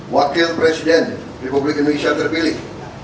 wakil presiden republik indonesia terpilih